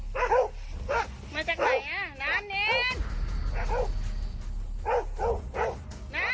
มาจากไหนอ่ะน้ำเย็น